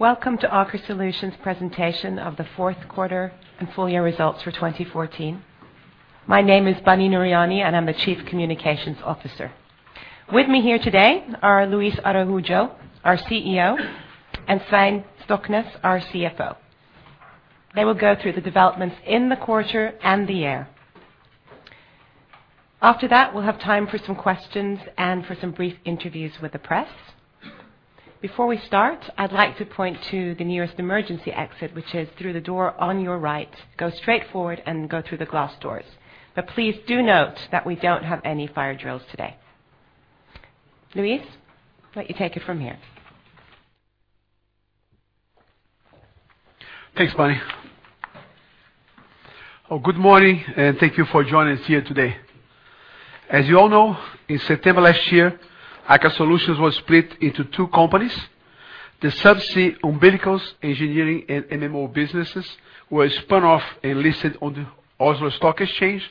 Welcome to Aker Solutions presentation of the fourth quarter and full year results for 2014. My name is Bunny Noerhadi, and I'm the Chief Communications Officer. With me here today are Luis Araujo, our CEO, and Svein Stoknes, our CFO. They will go through the developments in the quarter and the year. After that, we'll have time for some questions and for some brief interviews with the press. Before we start, I'd like to point to the nearest emergency exit, which is through the door on your right. Go straight forward and go through the glass doors. Please do note that we don't have any fire drills today. Luiz, why don't you take it from here? Thanks, Bunny. Good morning, and thank you for joining us here today. As you all know, in September last year, Aker Solutions was split into two companies. The subsea umbilicals engineering and MMO businesses were spun off and listed on the Oslo Stock Exchange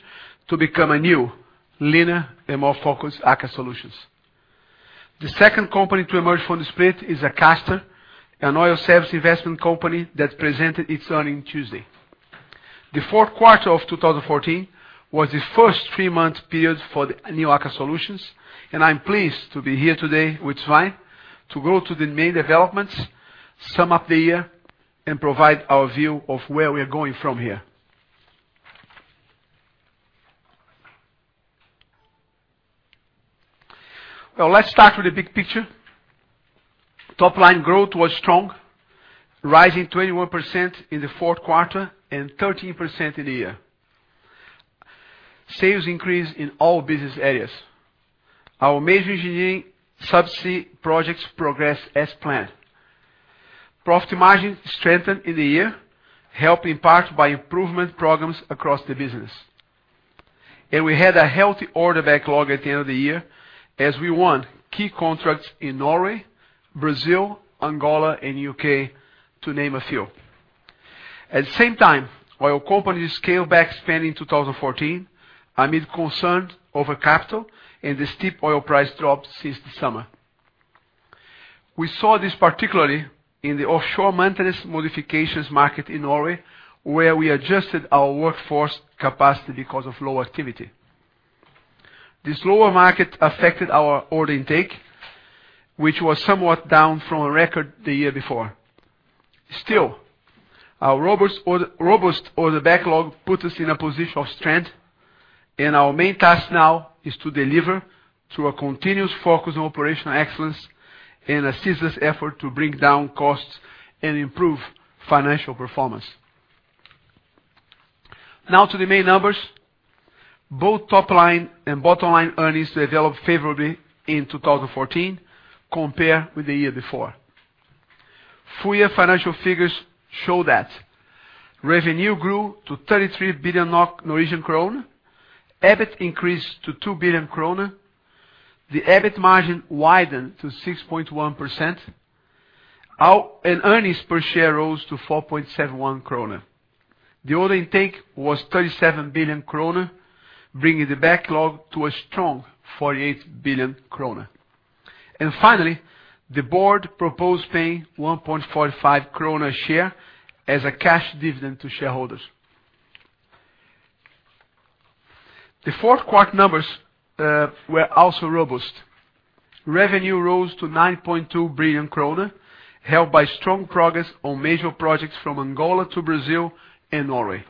to become a new leaner and more focused Aker Solutions. The second company to emerge from the split is Akastor, an oil service investment company that presented its earnings Tuesday. The fourth quarter of 2014 was the first three-month period for the new Aker Solutions, and I'm pleased to be here today with Svein to go through the main developments, sum up the year, and provide our view of where we're going from here. Well, let's start with the big picture. Top-line growth was strong, rising 21% in the fourth quarter and 13% in the year. Sales increased in all business areas. Our major engineering subsea projects progressed as planned. Profit margin strengthened in the year, helped in part by improvement programs across the business. We had a healthy order backlog at the end of the year as we won key contracts in Norway, Brazil, Angola, and U.K., to name a few. At the same time, oil companies scaled back spending in 2014 amid concern over capital and the steep oil price drop since the summer. We saw this particularly in the offshore maintenance modifications market in Norway, where we adjusted our workforce capacity because of low activity. This lower market affected our order intake, which was somewhat down from a record the year before. Still, our robust order backlog puts us in a position of strength, and our main task now is to deliver through a continuous focus on operational excellence and a ceaseless effort to bring down costs and improve financial performance. Now to the main numbers. Both top-line and bottom-line earnings developed favorably in 2014 compared with the year before. Full year financial figures show that revenue grew to 33 billion Norwegian krone. EBIT increased to 2 billion krone. The EBIT margin widened to 6.1%. Earnings per share rose to 4.71 kroner. The order intake was 37 billion kroner, bringing the backlog to a strong 48 billion kroner. Finally, the board proposed paying 1.45 kroner a share as a cash dividend to shareholders. The fourth quarter numbers were also robust. Revenue rose to 9.2 billion kroner, helped by strong progress on major projects from Angola to Brazil and Norway.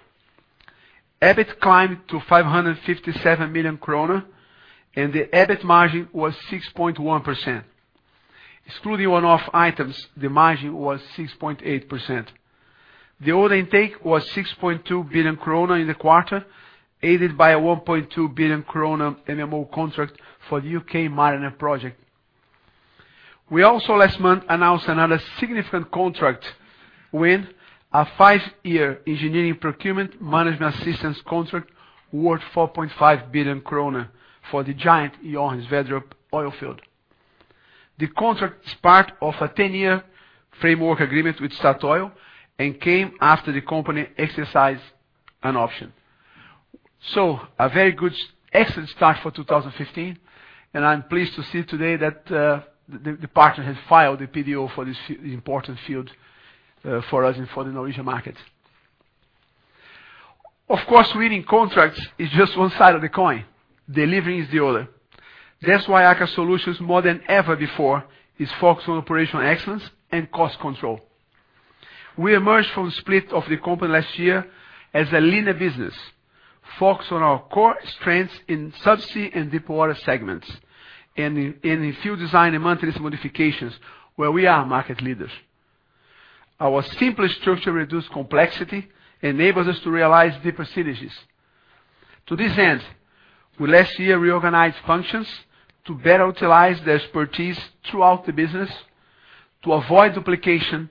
EBIT climbed to 557 million kroner, and the EBIT margin was 6.1%. Excluding one-off items, the margin was 6.8%. The order intake was 6.2 billion krone in the quarter, aided by a 1.2 billion krone MMO contract for the U.K. Mariner project. We also last month announced another significant contract, win a five-year engineering procurement management assistance contract worth 4.5 billion kroner for the giant Johan Sverdrup oil field. The contract is part of a 10-year framework agreement with Statoil and came after the company exercised an option. A very good excellent start for 2015. I'm pleased to see today that the partner has filed the PDO for this important field for us and for the Norwegian market. Of course, winning contracts is just one side of the coin. Delivering is the other. That's why Aker Solutions, more than ever before, is focused on operational excellence and cost control. We emerged from the split of the company last year as a leaner business, focused on our core strengths in subsea and deepwater segments and in field design and maintenance modifications where we are market leaders. Our simpler structure reduced complexity, enables us to realize deeper synergies. To this end, we last year reorganized functions to better utilize the expertise throughout the business to avoid duplication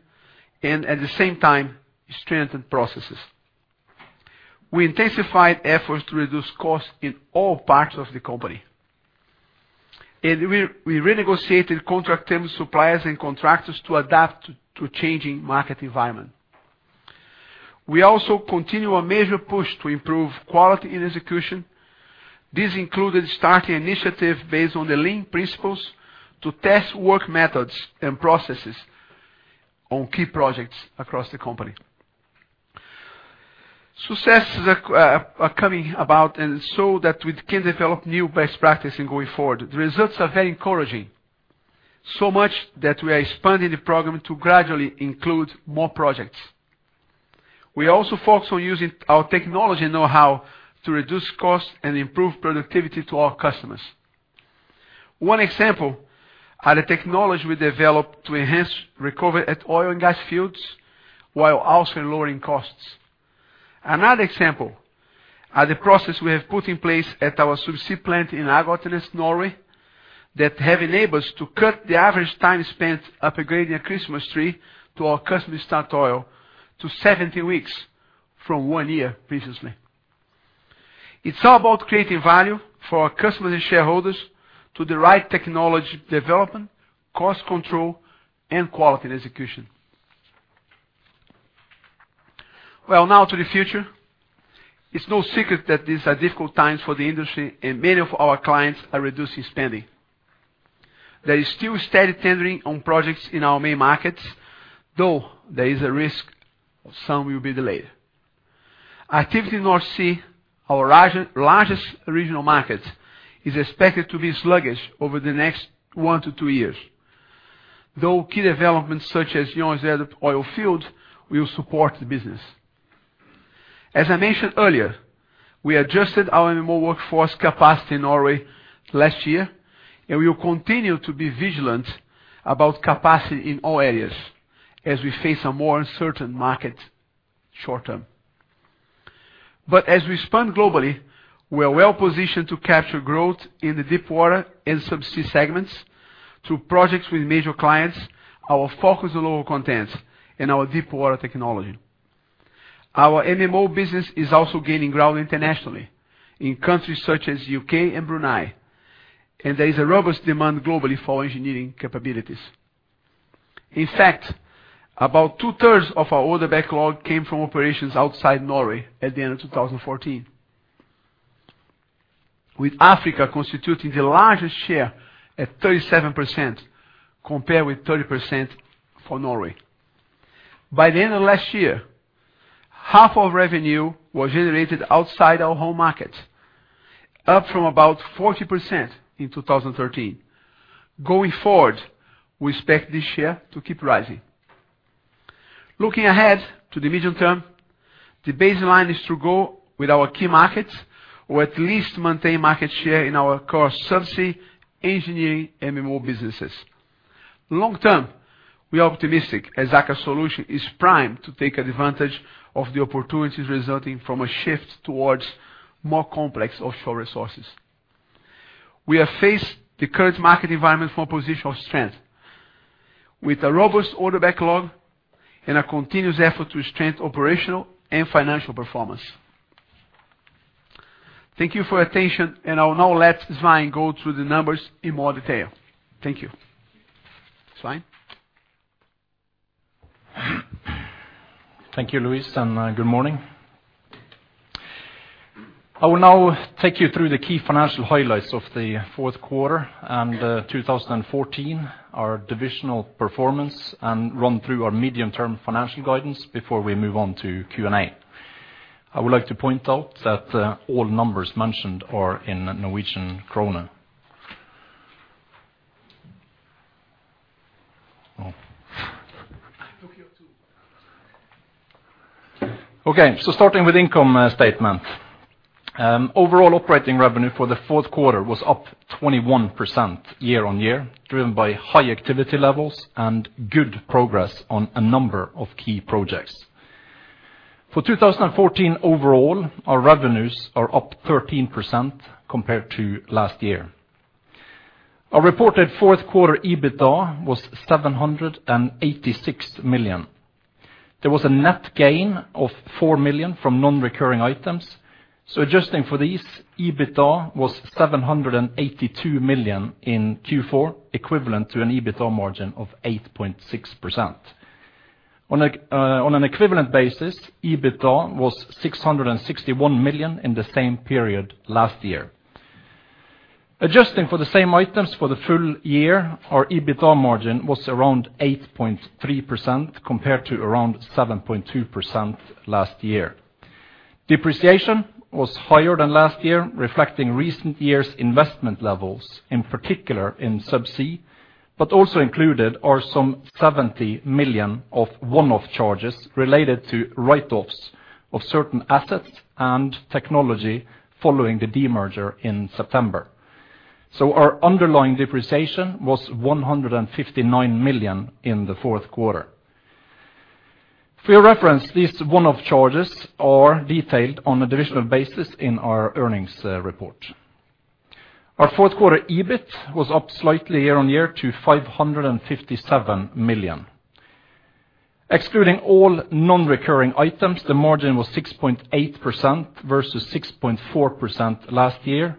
and at the same time strengthen processes. We intensified efforts to reduce costs in all parts of the company. We, we renegotiated contract terms, suppliers, and contractors to adapt to changing market environment. We also continue a major push to improve quality and execution. This included starting initiative based on the Lean principles to test work methods and processes on key projects across the company. Successes are coming about and so that we can develop new best practice in going forward. The results are very encouraging, so much that we are expanding the program to gradually include more projects. We also focus on using our technology know-how to reduce costs and improve productivity to our customers. One example are the technology we developed to enhance recovery at oil and gas fields while also lowering costs. Another example are the process we have put in place at our subsea plant in Ågotnes, Norway, that have enabled us to cut the average time spent upgrading a Christmas tree to our customer, Statoil, to 17 weeks from one year previously. It's all about creating value for our customers and shareholders to the right technology development, cost control, and quality and execution. Now to the future. It's no secret that these are difficult times for the industry, and many of our clients are reducing spending. There is still steady tendering on projects in our main markets, though there is a risk some will be delayed. Activity in North Sea, our largest regional market, is expected to be sluggish over the next one-two years, though key developments such as Johan Sverdrup oil field will support the business. As I mentioned earlier, we adjusted our MMO workforce capacity in Norway last year, and we will continue to be vigilant about capacity in all areas as we face a more uncertain market short term. As we expand globally, we are well-positioned to capture growth in the deepwater and subsea segments through projects with major clients, our focus on lower contents, and our deepwater technology. Our MMO business is also gaining ground internationally in countries such as U.K. and Brunei, and there is a robust demand globally for engineering capabilities. In fact, about 2/3 of our order backlog came from operations outside Norway at the end of 2014, with Africa constituting the largest share at 37% compared with 30% for Norway. By the end of last year, half of revenue was generated outside our home market, up from about 40% in 2013. Going forward, we expect this share to keep rising. Looking ahead to the medium term, the baseline is to grow with our key markets or at least maintain market share in our core subsea engineering MMO businesses. Long term, we are optimistic as Aker Solutions is primed to take advantage of the opportunities resulting from a shift towards more complex offshore resources. We have faced the current market environment from a position of strength with a robust order backlog and a continuous effort to strengthen operational and financial performance. Thank you for your attention, and I will now let Svein go through the numbers in more detail. Thank you. Svein? Thank you, Luiz, and good morning. I will now take you through the key financial highlights of the fourth quarter and 2014, our divisional performance, and run through our medium-term financial guidance before we move on to Q&A. I would like to point out that all numbers mentioned are in Norwegian krone. Oh. Took you two. Okay, starting with income statement. Overall operating revenue for the fourth quarter was up 21% year-on-year, driven by high activity levels and good progress on a number of key projects. For 2014 overall, our revenues are up 13% compared to last year. Our reported fourth quarter EBITDA was 786 million. There was a net gain of 4 million from non-recurring items, adjusting for these, EBITDA was 782 million in Q4, equivalent to an EBITDA margin of 8.6%. On an equivalent basis, EBITDA was 661 million in the same period last year. Adjusting for the same items for the full year, our EBITDA margin was around 8.3% compared to around 7.2% last year. Depreciation was higher than last year, reflecting recent years' investment levels, in particular in subsea, but also included are some 70 million of one-off charges related to write-offs of certain assets and technology following the demerger in September. Our underlying depreciation was 159 million in the fourth quarter. For your reference, these one-off charges are detailed on a divisional basis in our earnings report. Our fourth quarter EBIT was up slightly year-on-year to 557 million. Excluding all non-recurring items, the margin was 6.8% versus 6.4% last year.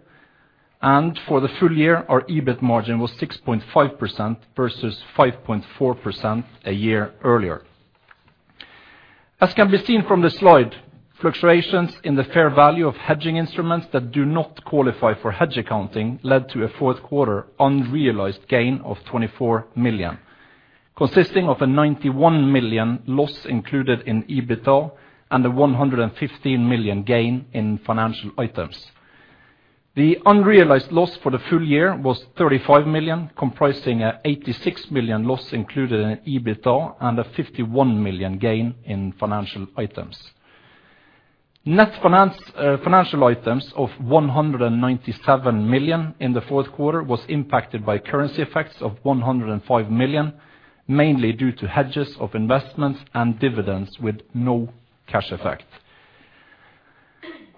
For the full year, our EBIT margin was 6.5% versus 5.4% a year earlier. As can be seen from the slide, fluctuations in the fair value of hedging instruments that do not qualify for hedge accounting led to a fourth quarter unrealized gain of 24 million, consisting of a 91 million loss included in EBITDA and a 115 million gain in financial items. The unrealized loss for the full year was 35 million, comprising a 86 million loss included in EBITDA and a 51 million gain in financial items. Net finance, financial items of 197 million in the fourth quarter was impacted by currency effects of 105 million, mainly due to hedges of investments and dividends with no cash effect.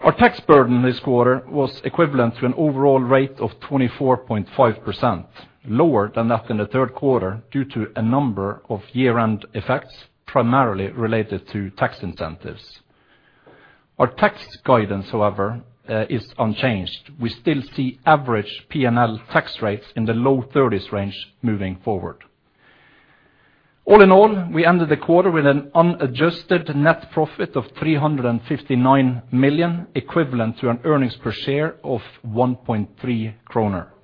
Our tax burden this quarter was equivalent to an overall rate of 24.5%, lower than that in the third quarter due to a number of year-end effects, primarily related to tax incentives. Our tax guidance, however, is unchanged. We still see average P&L tax rates in the low 30s range moving forward. All in all, we ended the quarter with an unadjusted net profit of 359 million, equivalent to an earnings per share of 1.3.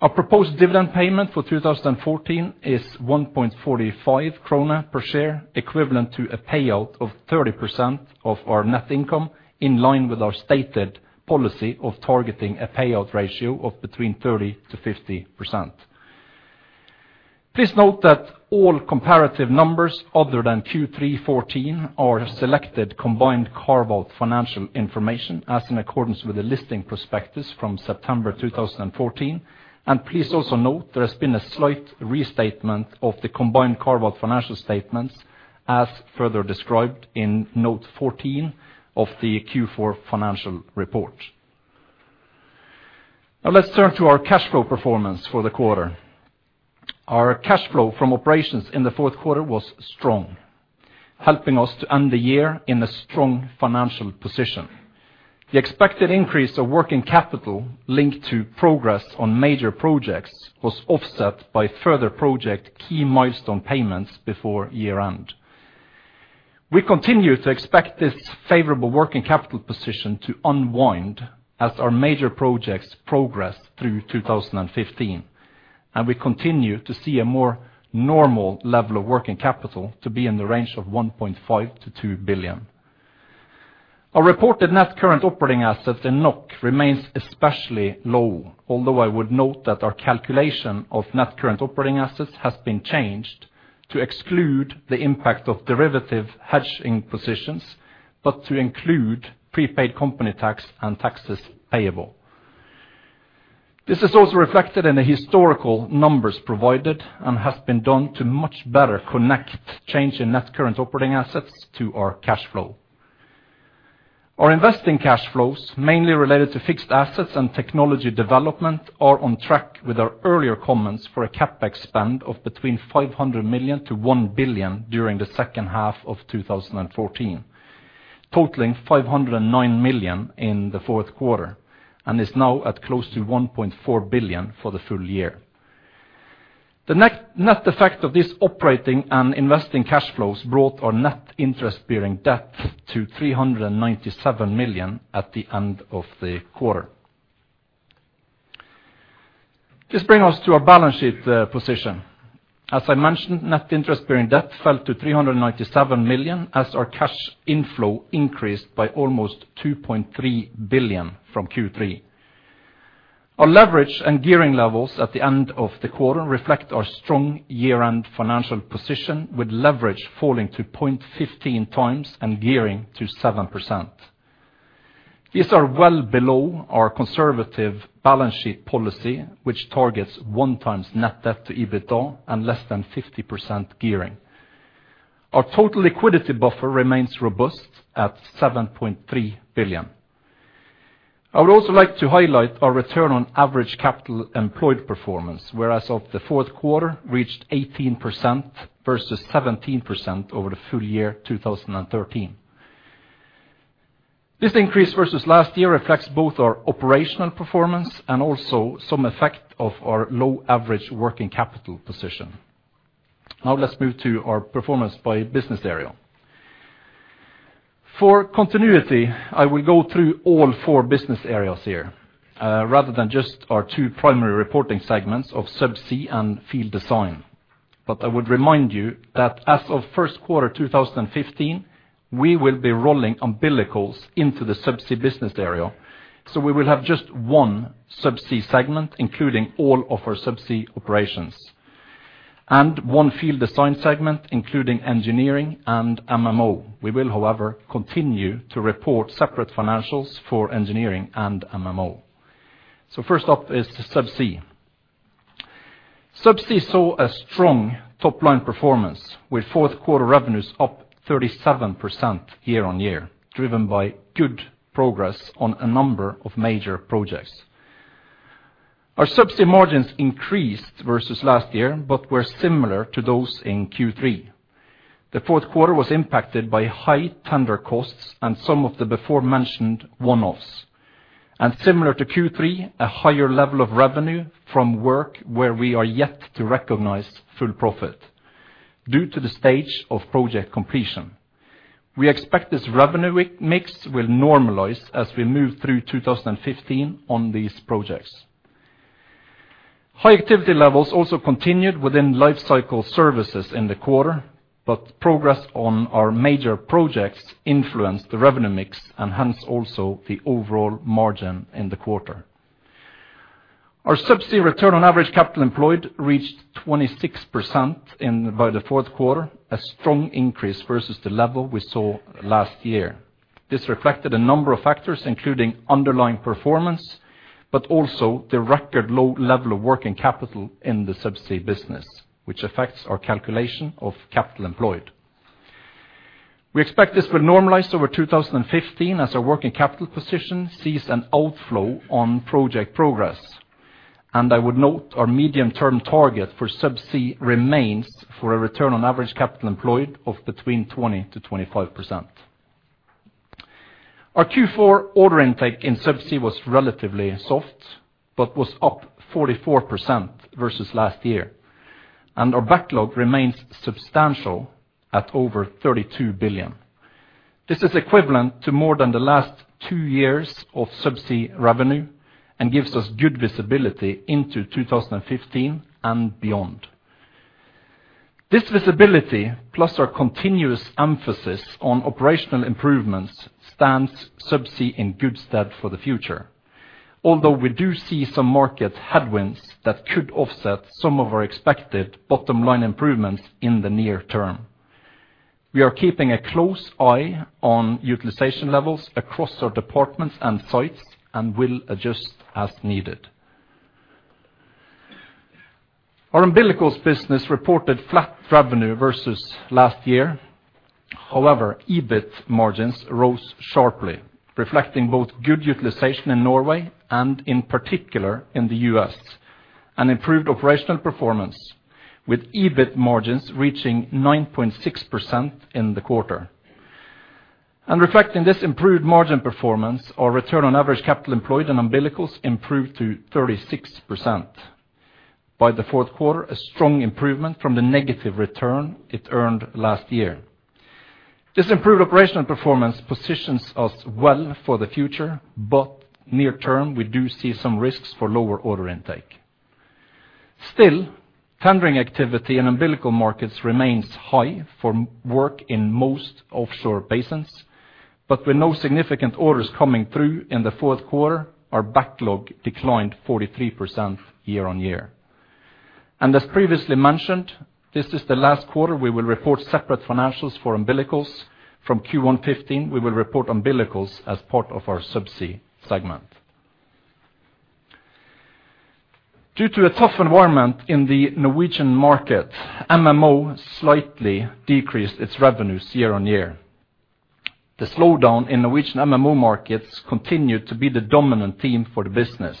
Our proposed dividend payment for 2014 is 1.45 per share, equivalent to a payout of 30% of our net income, in line with our stated policy of targeting a payout ratio of between 30%-50%. Please note that all comparative numbers other than Q3 2014 are selected combined carve-out financial information as in accordance with the listing prospectus from September 2014. Please also note there has been a slight restatement of the combined carve-out financial statements as further described in note 14 of the Q4 financial report. Now let's turn to our cash flow performance for the quarter. Our cash flow from operations in the fourth quarter was strong, helping us to end the year in a strong financial position. The expected increase of working capital linked to progress on major projects was offset by further project key milestone payments before year-end. We continue to expect this favorable working capital position to unwind as our major projects progress through 2015. We continue to see a more normal level of working capital to be in the range of 1.5 billion-2 billion. Our reported net current operating assets in NOK remains especially low, although I would note that our calculation of net current operating assets has been changed to exclude the impact of derivative hedging positions, but to include prepaid company tax and taxes payable. This is also reflected in the historical numbers provided and has been done to much better connect change in net current operating assets to our cash flow. Our investing cash flows, mainly related to fixed assets and technology development, are on track with our earlier comments for a CapEx spend of between 500 million-1 billion during the second half of 2014, totaliy 509 million in the fourth quarter, and is now at close 1.4 billion for the full year. The net effect of this operating and investing cash flows brought our net interest-bearing debt to 397 million at the end of the quarter. This brings us to our balance sheet position. As I mentioned, net interest-bearing debt fell to 397 million as our cash inflow increased by almost 2.3 billion from Q3. Our leverage and gearing levels at the end of the quarter reflect our strong year-end financial position, with leverage falling to 0.15 times and gearing to 7%. These are well below our conservative balance sheet policy, which targets one times net debt to EBITDA and less than 50% gearing. Our total liquidity buffer remains robust at 7.3 billion. I would also like to highlight our return on average capital employed performance, where as of the fourth quarter, reached 18% versus 17% over the full year 2013. This increase versus last year reflects both our operational performance and also some effect of our low average working capital position. Let's move to our performance by business area. For continuity, I will go through all four business areas here, rather than just our two primary reporting segments of subsea and field design. I would remind you that as of first quarter 2015, we will be rolling umbilicals into the subsea business area, so we will have just one subsea segment, including all of our subsea operations, and one field design segment, including engineering and MMO. We will, however, continue to report separate financials for engineering and MMO. First up is the subsea. Subsea saw a strong top-line performance with fourth-quarter revenues up 37% year-over-year, driven by good progress on a number of major projects. Our subsea margins increased versus last year, but were similar to those in Q3. The fourth quarter was impacted by high tender costs and some of the before mentioned one-offs. Similar to Q3, a higher level of revenue from work where we are yet to recognize full profit due to the stage of project completion. We expect this revenue mix will normalize as we move through 2015 on these projects. High activity levels also continued within Lifecycle Services in the quarter, but progress on our major projects influenced the revenue mix and hence also the overall margin in the quarter. Our Subsea return on average capital employed reached 26% by the fourth quarter, a strong increase versus the level we saw last year. This reflected a number of factors, including underlying performance, but also the record low level of working capital in the Subsea business, which affects our calculation of capital employed. We expect this will normalize over 2015 as our working capital position sees an outflow on project progress. I would note our medium-term target for Subsea remains for a return on average capital employed of between 20%-25%. Our Q4 order intake in Subsea was relatively soft, but was up 44% versus last year, and our backlog remains substantial at over 32 billion. This is equivalent to more than the last two years of Subsea revenue and gives us good visibility into 2015 and beyond. This visibility, plus our continuous emphasis on operational improvements, stands Subsea in good stead for the future. We do see some market headwinds that could offset some of our expected bottom-line improvements in the near term. We are keeping a close eye on utilization levels across our departments and sites and will adjust as needed. Our Umbilicals business reported flat revenue versus last year. EBIT margins rose sharply, reflecting both good utilization in Norway and, in particular, in the U.S., an improved operational performance, with EBIT margins reaching 9.6% in the quarter. Reflecting this improved margin performance, our return on average capital employed in Umbilicals improved to 36%. By the fourth quarter, a strong improvement from the negative return it earned last year. This improved operational performance positions us well for the future, but near term, we do see some risks for lower order intake. Still, tendering activity in umbilical markets remains high for work in most offshore basins, but with no significant orders coming through in the fourth quarter, our backlog declined 43% year-on-year. As previously mentioned, this is the last quarter we will report separate financials for Umbilicals. From Q1 2015, we will report Umbilicals as part of our Subsea segment. Due to a tough environment in the Norwegian market, MMO slightly decreased its revenues year-on-year. The slowdown in Norwegian MMO markets continued to be the dominant theme for the business,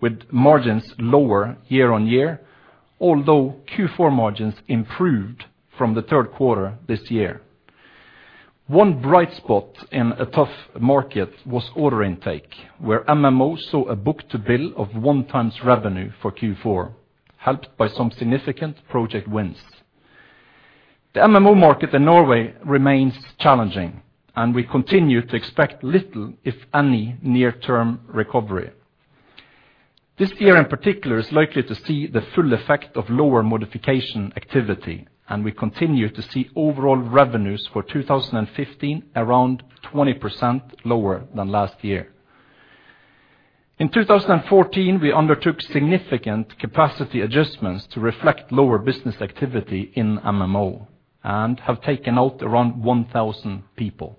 with margins lower year-on-year, although Q4 margins improved from the third quarter this year. One bright spot in a tough market was order intake, where MMO saw a book-to-bill of one times revenue for Q4, helped by some significant project wins. The MMO market in Norway remains challenging, we continue to expect little, if any, near-term recovery. This year in particular is likely to see the full effect of lower modification activity, we continue to see overall revenues for 2015 around 20% lower than last year. In 2014, we undertook significant capacity adjustments to reflect lower business activity in MMO and have taken out around 1,000 people.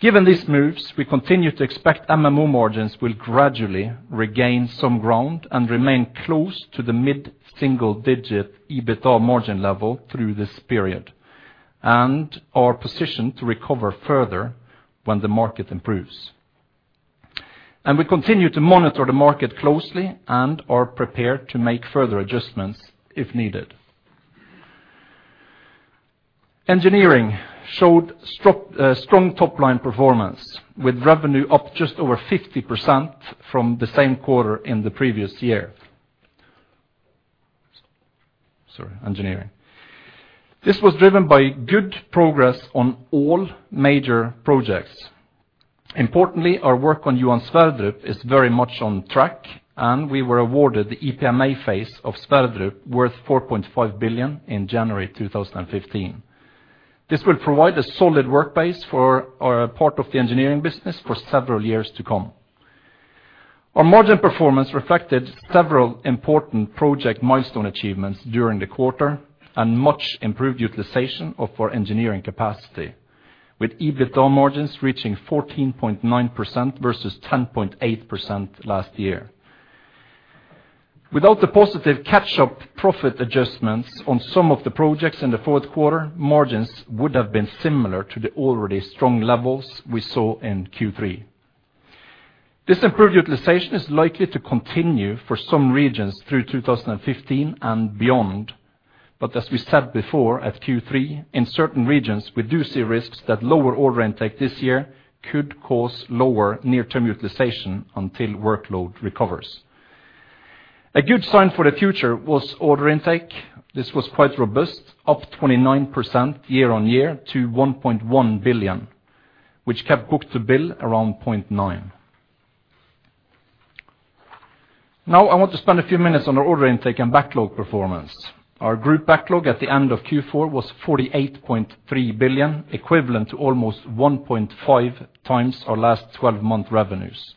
Given these moves, we continue to expect MMO margins will gradually regain some ground and remain close to the mid-single digit EBITA margin level through this period and are positioned to recover further when the market improves. We continue to monitor the market closely and are prepared to make further adjustments if needed. Engineering showed strong top-line performance, with revenue up just over 50% from the same quarter in the previous year. Sorry, engineering. This was driven by good progress on all major projects. Importantly, our work on Johan Sverdrup is very much on track, and we were awarded the EPMA phase of Sverdrup, worth 4.5 billion, in January 2015. This will provide a solid work base for our part of the engineering business for several years to come. Our margin performance reflected several important project milestone achievements during the quarter and much improved utilization of our engineering capacity, with EBITA margins reaching 14.9% versus 10.8% last year. Without the positive catch-up profit adjustments on some of the projects in the fourth quarter, margins would have been similar to the already strong levels we saw in Q3. This improved utilization is likely to continue for some regions through 2015 and beyond. As we said before, at Q3, in certain regions, we do see risks that lower order intake this year could cause lower near-term utilization until workload recovers. A good sign for the future was order intake. This was quite robust, up 29% year-on-year to 1.1 billion, which kept book-to-bill around 0.9. I want to spend a few minutes on our order intake and backlog performance. Our group backlog at the end of Q4 was 48.3 billion, equivalent to almost 1.5x our last 12-month revenues.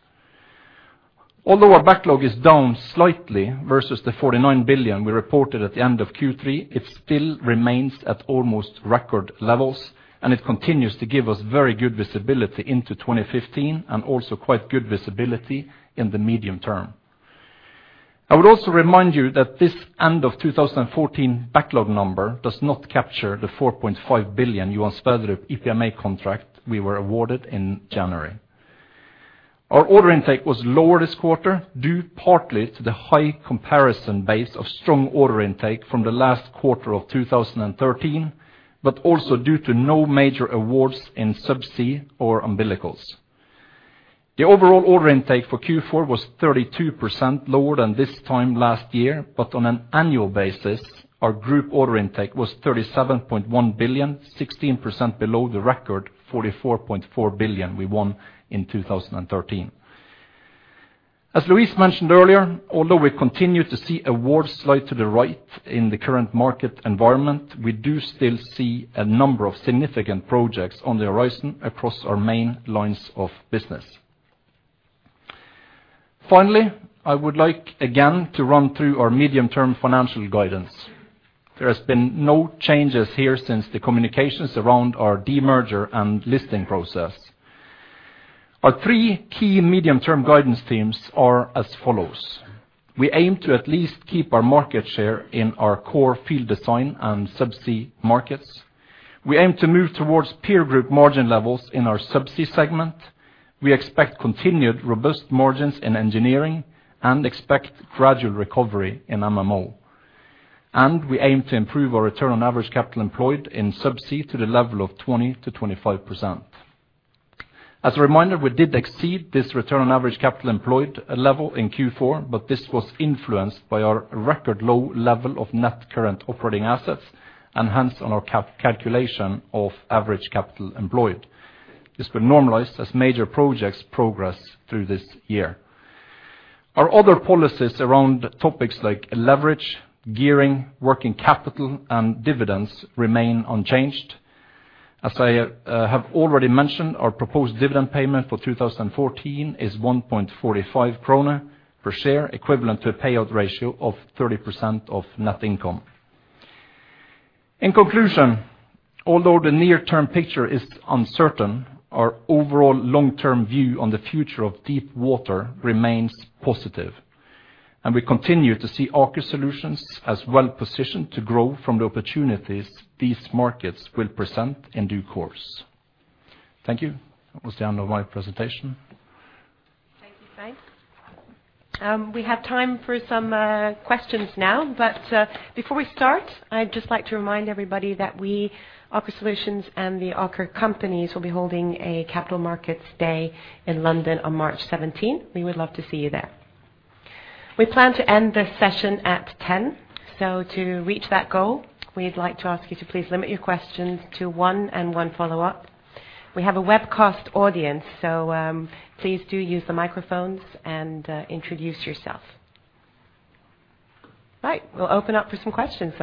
Our backlog is down slightly versus the 49 billion we reported at the end of Q3, it still remains at almost record levels, and it continues to give us very good visibility into 2015 and also quite good visibility in the medium term. I would also remind you that this end of 2014 backlog number does not capture the 4.5 billion Johan Sverdrup EPMA contract we were awarded in January. Our order intake was lower this quarter, due partly to the high comparison base of strong order intake from the last quarter of 2013, but also due to no major awards in subsea or umbilicals. The overall order intake for Q4 was 32% lower than this time last year, but on an annual basis, our group order intake was 37.1 billion, 16% below the record 44.4 billion we won in 2013. As Luiz mentioned earlier, although we continue to see awards slide to the right in the current market environment, we do still see a number of significant projects on the horizon across our main lines of business. Finally, I would like again to run through our medium-term financial guidance. There has been no changes here since the communications around our de-merger and listing process. Our three key medium-term guidance themes are as follows. We aim to at least keep our market share in our core field design and subsea markets. We aim to move towards peer group margin levels in our subsea segment. We expect continued robust margins in engineering and expect gradual recovery in MMO. We aim to improve our return on average capital employed in subsea to the level of 20%-25%. As a reminder, we did exceed this return on average capital employed level in Q4, but this was influenced by our record low level of net current operating assets and hence on our calculation of average capital employed. This will normalize as major projects progress through this year. Our other policies around topics like leverage, gearing, working capital, and dividends remain unchanged. As I have already mentioned, our proposed dividend payment for 2014 is 1.45 krone per share, equivalent to a payout ratio of 30% of net income. In conclusion, although the near-term picture is uncertain, our overall long-term view on the future of deep water remains positive, and we continue to see Aker Solutions as well-positioned to grow from the opportunities these markets will present in due course. Thank you. That was the end of my presentation. Thank you, Svein. We have time for some questions now. Before we start, I'd just like to remind everybody that we, Aker Solutions and the Aker companies, will be holding a capital markets day in London on March 17th. We would love to see you there. We plan to end this session at 10. To reach that goal, we'd like to ask you to please limit your questions to one and one follow-up. We have a webcast audience, please do use the microphones and introduce yourself. Right. We'll open up for some questions.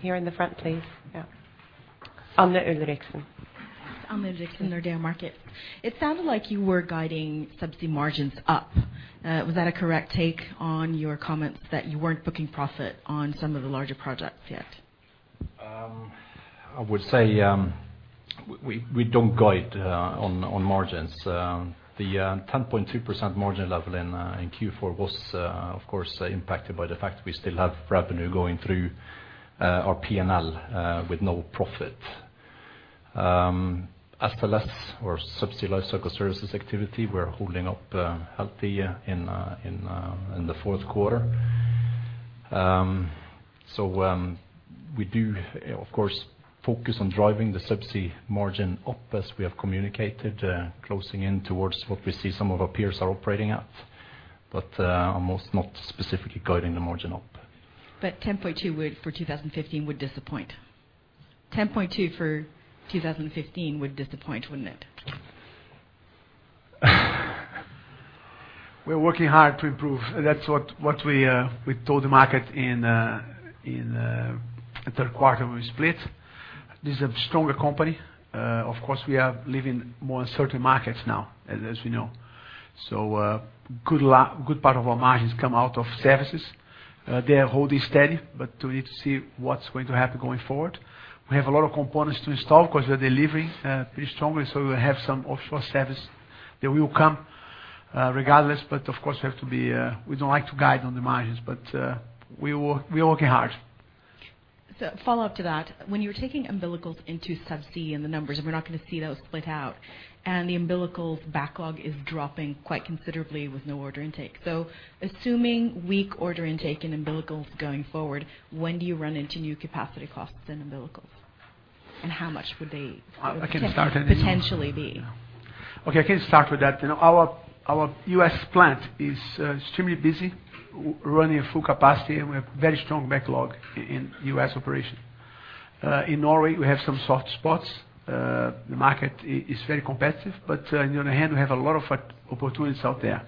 Here in the front, please. Yeah. Anne Ulriksen. Anne Ulriksen, Nordea Markets. It sounded like you were guiding subsea margins up. Was that a correct take on your comments that you weren't booking profit on some of the larger projects yet? I would say, we don't guide on margins. The 10.2% margin level in Q4 was, of course, impacted by the fact we still have revenue going through our P&L with no profit. SLS or Subsea Lifecycle Services activity were holding up healthy in the fourth quarter. We do of course, focus on driving the subsea margin up as we have communicated, closing in towards what we see some of our peers are operating at. I'm not specifically guiding the margin up. 10.2 for 2015 would disappoint. 10.2 for 2015 would disappoint, wouldn't it? We're working hard to improve. That's what we told the market in the third quarter when we split. This is a stronger company. Of course, we are living more in certain markets now, as you know. Good part of our margins come out of services. They are holding steady, but we need to see what's going to happen going forward. We have a lot of components to install because we are delivering pretty strongly, so we will have some offshore service that will come regardless. Of course, we have to be, we don't like to guide on the margins, but we are working hard. Follow-up to that, when you're taking umbilicals into subsea in the numbers, and we're not going to see those split out, and the umbilicals backlog is dropping quite considerably with no order intake. Assuming weak order intake in umbilicals going forward, when do you run into new capacity costs in umbilicals? How much would they potentially be? Okay, I can start with that. You know, our U.S. plant is extremely busy, running at full capacity, and we have very strong backlog in U.S. operation. In Norway, we have some soft spots. The market is very competitive, but on the other hand, we have a lot of opportunities out there.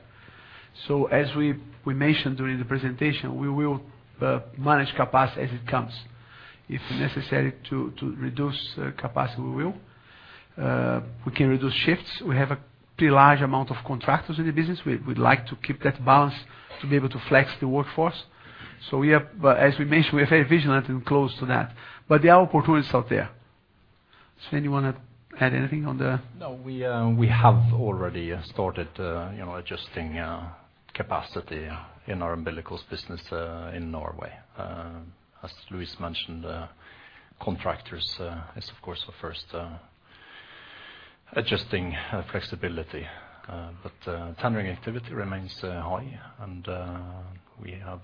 As we mentioned during the presentation, we will manage capacity as it comes. If necessary to reduce capacity, we will. We can reduce shifts. We have a pretty large amount of contractors in the business. We'd like to keep that balance to be able to flex the workforce. As we mentioned, we are very vigilant and close to that. There are opportunities out there. Svein, you want to add anything on the. No, we have already started, you know, adjusting capacity in our umbilicals business in Norway. As Luiz mentioned, contractors is of course the first adjusting flexibility. Tendering activity remains high, and we have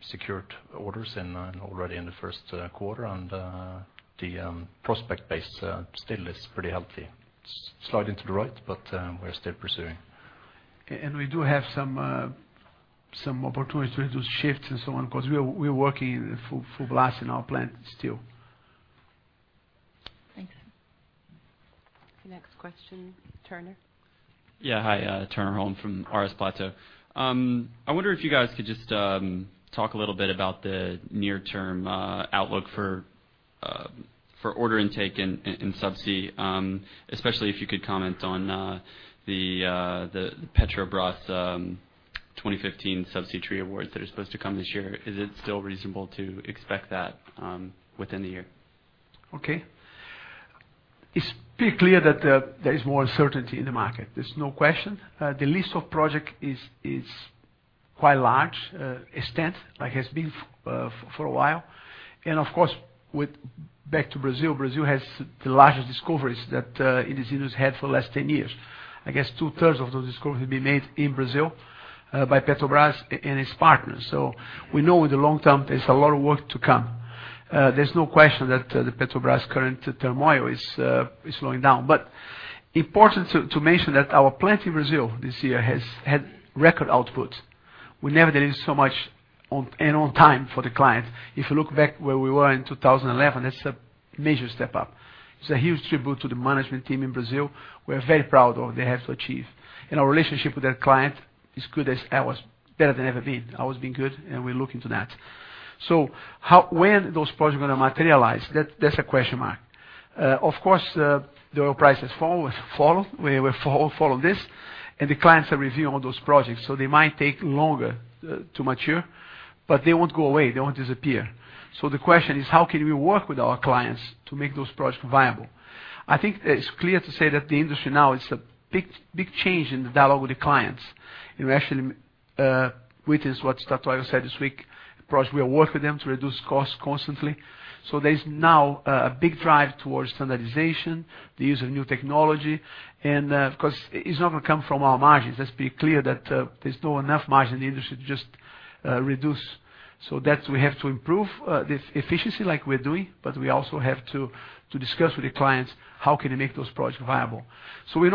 secured orders already in the first quarter. The prospect base still is pretty healthy. Sliding to the right, but we're still pursuing. We do have some opportunities to reduce shifts and so on, 'cause we are, we are working full blast in our plant still. Thanks. Next question, Turner. Yeah. Hi, Turner Holm from RS Platou. I wonder if you guys could just talk a little bit about the near-term outlook for for order intake in in subsea, especially if you could comment on the Petrobras 2015 subsea tree awards that are supposed to come this year. Is it still reasonable to expect that within the year? Okay. It's pretty clear that there is more uncertainty in the market. There's no question. The list of project is quite large, extent, like it has been for a while. Of course, with back to Brazil has the largest discoveries that it is in its head for the last 10 years. I guess 2/3 of those discoveries have been made in Brazil, by Petrobras and its partners. We know in the long term, there's a lot of work to come. There's no question that the Petrobras current turmoil is slowing down. Important to mention that our plant in Brazil this year has had record output. We never delivered so much on and on time for the client. If you look back where we were in 2011, that's a major step up. It's a huge tribute to the management team in Brazil. We're very proud of they have to achieve. Our relationship with that client is good as ours, better than ever been, always been good, and we look into that. When those projects are going to materialize, that's a question mark. Of course, the oil price has fall, we follow this, and the clients are reviewing all those projects, so they might take longer to mature, but they won't go away. They won't disappear. The question is, how can we work with our clients to make those projects viable? I think it's clear to say that the industry now is a big change in the dialogue with the clients. We actually witnessed what Statoil said this week. Of course, we are working with them to reduce costs constantly. There is now a big drive towards standardization, the use of new technology. Of course, it's not going to come from our margins. Let's be clear that there's no enough margin in the industry to just reduce. That we have to improve this efficiency like we're doing, but we also have to discuss with the clients how can they make those projects viable. We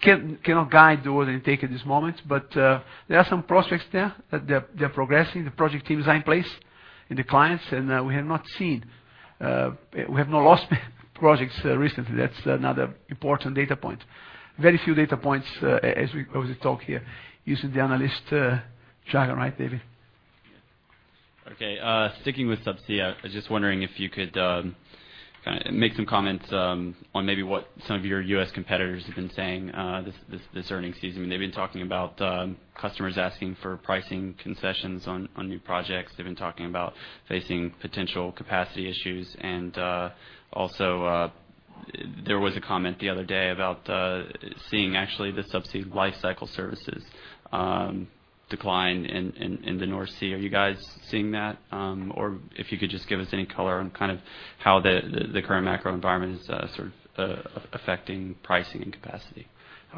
cannot guide the order intake at this moment, there are some prospects there that they're progressing. The project teams are in place and the clients, we have not seen we have not lost projects recently. That's another important data point. Very few data points as we talk here using the analyst jargon, right, David? Okay. Sticking with subsea, I'm just wondering if you could kind of make some comments on maybe what some of your U.S. competitors have been saying this earning season. They've been talking about customers asking for pricing concessions on new projects. They've been talking about facing potential capacity issues. Also, there was a comment the other day about seeing actually the Subsea Lifecycle Services decline in the North Sea. Are you guys seeing that? If you could just give us any color on kind of how the current macro environment is sort of affecting pricing and capacity.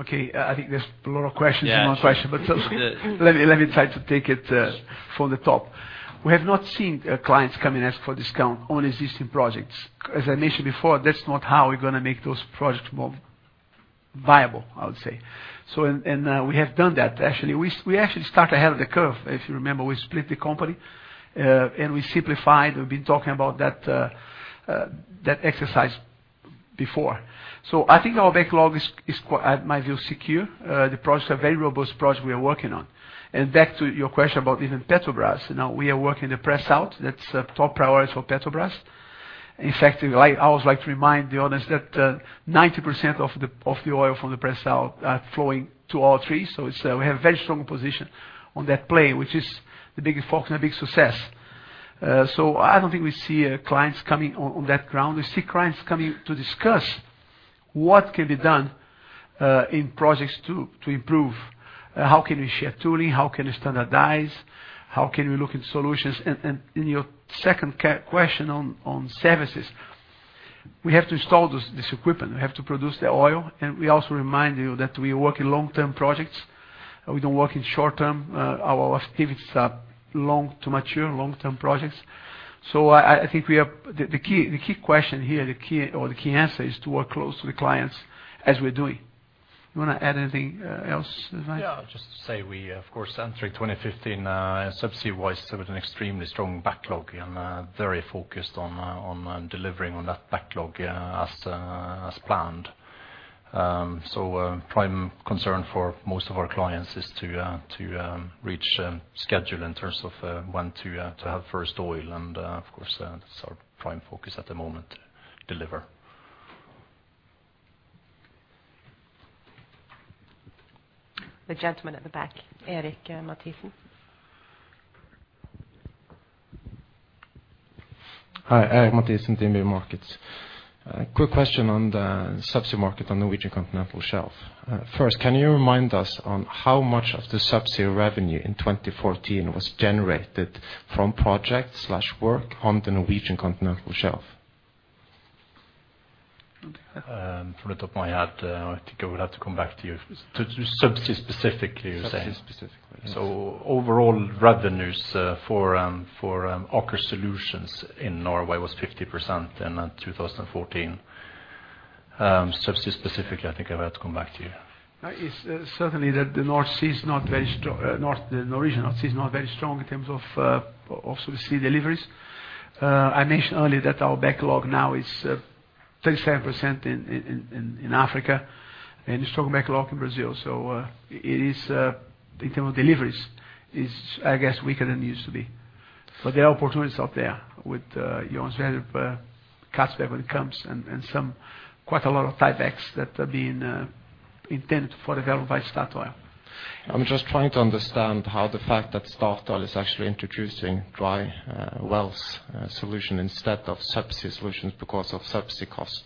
Okay. I think there's a lot of questions in one question. Yeah. Let me try to take it from the top. We have not seen clients come and ask for discount on existing projects. As I mentioned before, that's not how we're going to make those projects more viable, I would say. We have done that. Actually, we actually start ahead of the curve. If you remember, we split the company and we simplified. We've been talking about that exercise before. I think our backlog is, at my view, secure. The projects are very robust projects we are working on. Back to your question about even Petrobras. Now we are working the Pre-salt. That's a top priority for Petrobras. In fact, I always like to remind the audience that 90% of the oil from the Pre-salt are flowing to all three. It's we have a very strong position on that play, which is the biggest focus and a big success. I don't think we see clients coming on that ground. We see clients coming to discuss what can be done in projects to improve? How can we share tooling? How can we standardize? How can we look at solutions? In your second question on services, we have to install this equipment, we have to produce the oil. We also remind you that we work in long-term projects, we don't work in short-term. Our activities are long to mature, long-term projects. I think we are. The key question here, the key or the key answer is to work close to the clients as we're doing. You want to add anything else, Svein? Yeah. Just to say we of course entered 2015, subsea-wise with an extremely strong backlog and very focused on delivering on that backlog, yeah, as planned. Prime concern for most of our clients is to reach schedule in terms of when to have first oil. Of course, this is our prime focus at the moment: deliver. The gentleman at the back, Eirik Mathisen. Hi. Eirik Mathisen, DNB Markets. A quick question on the subsea market on Norwegian Continental Shelf. First, can you remind us on how much of the subsea revenue in 2014 was generated from projects/work on the Norwegian Continental Shelf? From the top of my head, I think I will have to come back to you. Subsea specifically, you're saying? Subsea specifically, yes. Overall revenues, for Aker Solutions in Norway was 50% in 2014. subsea specifically, I think I'd have to come back to you. It's certainly that the North Sea is not very strong, the Norwegian North Sea is not very strong in terms of subsea deliveries. I mentioned earlier that our backlog now is 37% in Africa, and a strong backlog in Brazil. It is in terms of deliveries is, I guess, weaker than it used to be. There are opportunities out there with Johan Sverdrup, Johan Castberg when it comes and quite a lot of tiebacks that are being intended for available by Statoil. I'm just trying to understand how the fact that Statoil is actually introducing dry, wells, solution instead of subsea solutions because of subsea costs,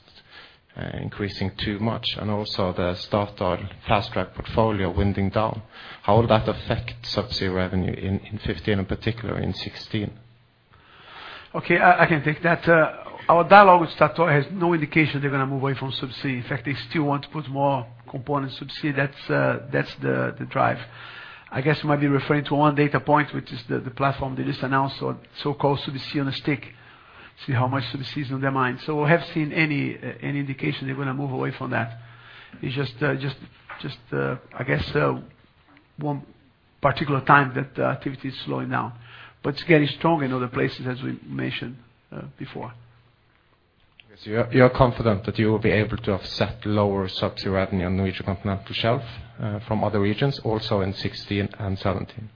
increasing too much, and also the Statoil fast track portfolio winding down. How will that affect subsea revenue in 15, in particular in 16? Okay. I can take that. Our dialogue with Statoil has no indication they're going to move away from subsea. In fact, they still want to put more components subsea. That's the drive. I guess you might be referring to one data point, which is the platform they just announced or so-called Subsea on a stick. See how much subsea is on their mind. We haven't seen any indication they're going to move away from that. It's just, I guess, one particular time that the activity is slowing down. It's getting strong in other places, as we mentioned before. You're confident that you will be able to offset lower subsea revenue on Norwegian Continental Shelf from other regions also in 2016 and 2017?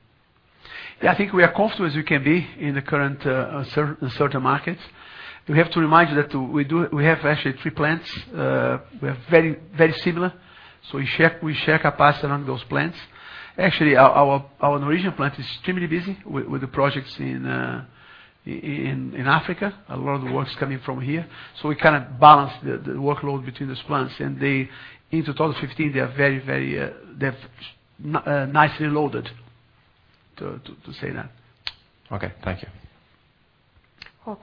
I think we are confident as we can be in the current uncertain markets. We have to remind you that we have actually three plants. We are very, very similar, so we share capacity around those plants. Actually, our Norwegian plant is extremely busy with the projects in Africa. A lot of the work's coming from here. We kinda balance the workload between these plants. They, into 2015, they are very, very, they have nicely loaded to say that. Okay. Thank you.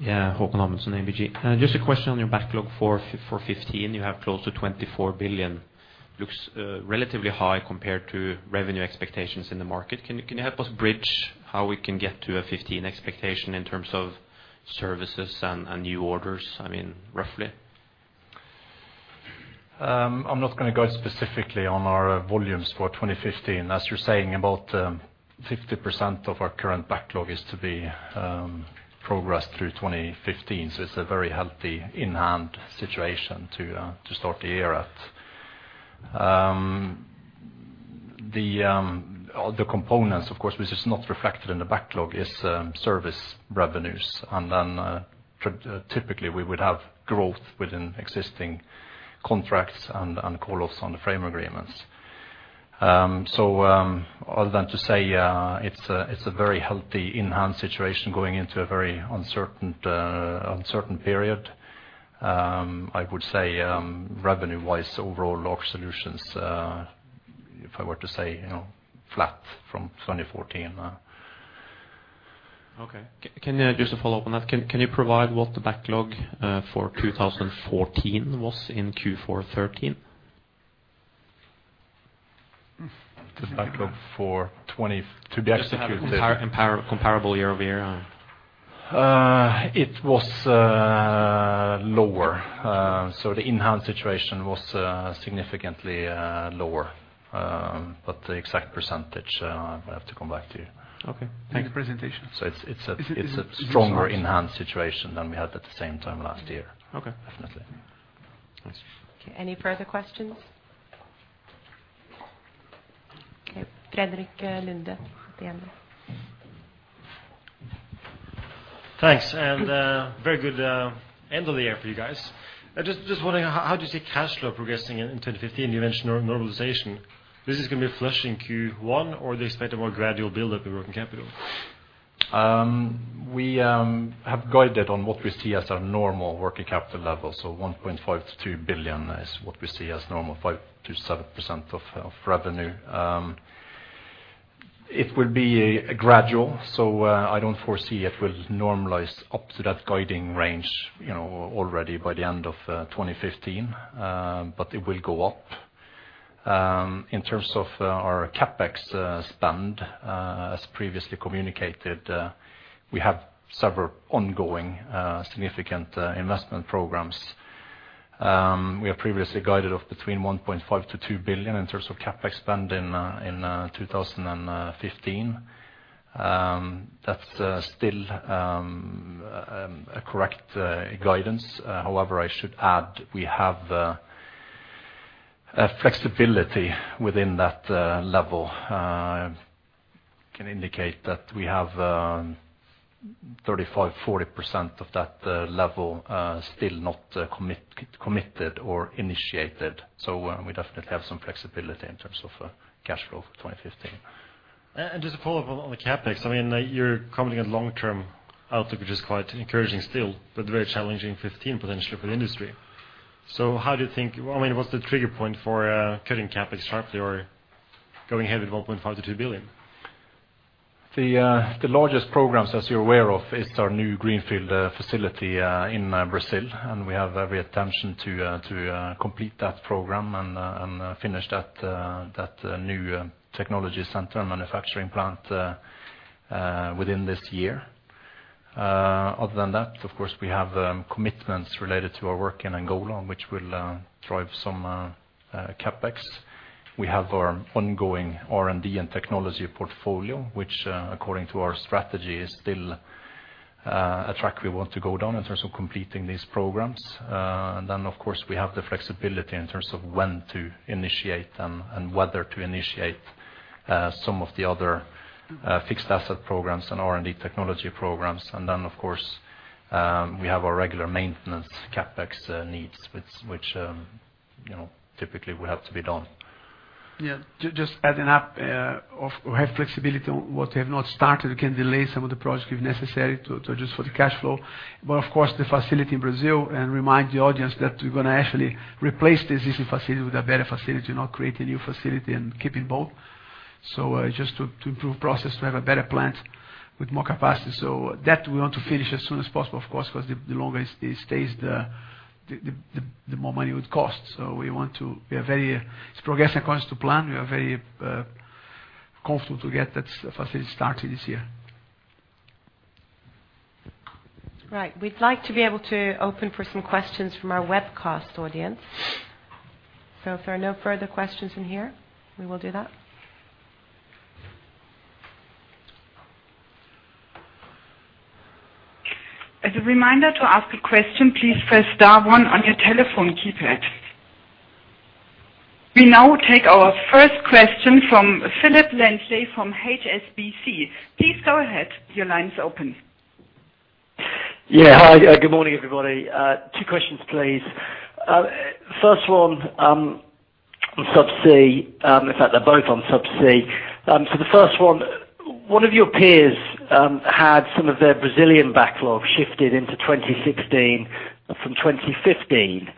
Håkon Amundsen. Yeah. Håkon Amundsen, ABG. Just a question on your backlog for 2015. You have close to 24 billion. Looks relatively high compared to revenue expectations in the market. Can you help us bridge how we can get to a 2015 expectation in terms of services and new orders, I mean, roughly? I'm not going to go specifically on our volumes for 2015. As you're saying, about 50% of our current backlog is to be progressed through 2015. It's a very healthy in-hand situation to start the year at. The other components of course which is not reflected in the backlog is service revenues. Typically, we would have growth within existing contracts and call offs on the frame agreements. Other than to say, it's a very healthy in-hand situation going into a very uncertain period, I would say revenue-wise overall Aker Solutions, if I were to say, you know, flat from 2014. Okay. Can I just follow up on that? Can you provide what the backlog for 2014 was in Q4 2013? The backlog for 20 to be executed. Just to have a comparable year-over-year. It was lower. The in-hand situation was significantly lower. The exact percentage, I'd have to come back to you. Okay. Thank you. In the presentation. It's. Is it? It's a stronger in-hand situation than we had at the same time last year. Okay. Definitely. Thanks. Okay. Any further questions? Okay. Frederik Lunde at DNB. Thanks. Very good end of the year for you guys. I just wondering how do you see cash flow progressing in 2015? You mentioned normalization. This is going to be flushing Q1, or do you expect a more gradual build up in working capital? We have guided on what we see as our normal working capital level. 1.5 billion-2 billion is what we see as normal, 5%-7% of revenue. It will be a gradual, I don't foresee it will normalize up to that guiding range, you know, already by the end of 2015. It will go up. In terms of our CapEx spend, as previously communicated, we have several ongoing, significant investment programs. We have previously guided of between 1.5 billion-2 billion in terms of CapEx spend in 2015. That's still a correct guidance. However, I should add we have a flexibility within that level. can indicate that we have 35, 40% of that level still not committed or initiated. We definitely have some flexibility in terms of cash flow for 2015. Just a follow-up on the CapEx. I mean, you're commenting on long-term outlook, which is quite encouraging still, but very challenging 2015 potentially for the industry. I mean, what's the trigger point for cutting CapEx sharply or going ahead with 1.5 billion-2 billion? The largest programs, as you're aware of, is our new greenfield facility in Brazil, and we have every intention to complete that program and finish that new technology center and manufacturing plant within this year. Other than that, of course, we have commitments related to our work in Angola, which will drive some CapEx. We have our ongoing R&D and technology portfolio, which, according to our strategy, is still a track we want to go down in terms of completing these programs. Then, of course, we have the flexibility in terms of when to initiate and whether to initiate some of the other fixed asset programs and R&D technology programs. Of course, we have our regular maintenance CapEx needs, which, you know, typically will have to be done. Yeah. Just adding up, we have flexibility on what we have not started. We can delay some of the projects if necessary to just for the cash flow. But of course, the facility in Brazil, and remind the audience that we're going to actually replace the existing facility with a better facility, not create a new facility and keeping both. Just to improve process, to have a better plant with more capacity. That we want to finish as soon as possible, of course, 'cause the longer it stays, the more money it would cost. We want to. We are very. It's progressing across to plan. We are very comfortable to get that facility started this year. Right. We'd like to be able to open for some questions from our webcast audience. If there are no further questions in here, we will do that. As a reminder, to ask a question, please press star one on your telephone keypad. We now take our first question from Phillip Langley from HSBC. Please go ahead. Your line is open. Yeah. Hi. Good morning, everybody. Two questions, please. First one, on Subsea. In fact, they're both on Subsea. The first one of your peers, had some of their Brazilian backlog shifted into 2016 from 2015.